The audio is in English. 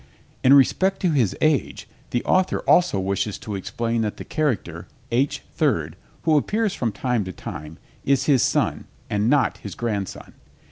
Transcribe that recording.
In respect to his age the author also wishes to explain that the character, H. 3rd, who appears from time to time is his son and not his grandson.